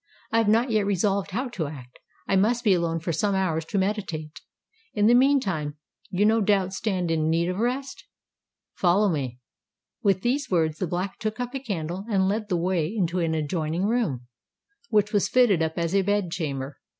"I have not yet resolved how to act: I must be alone for some hours to meditate! In the meantime you no doubt stand in need of rest? Follow me." With these words the Black took up a candle and led the way into an adjoining room, which was fitted up as a bed chamber.